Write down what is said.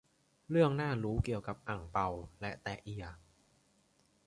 เรื่องน่ารู้เกี่ยวกับ อั่งเปา และแต๊ะเอีย